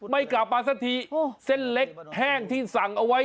ไม่กลับมาสักทีเส้นเล็กแห้งที่สั่งเอาไว้